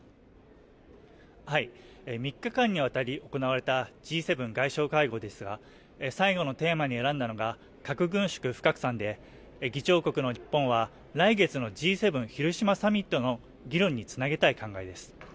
３日間にわたり行われたＧ７外相会合ですが最後のテーマに選んだのが、核軍縮不拡散で議長国の日本は、来月のＧ７広島サミットの議論に繋げたい考えです。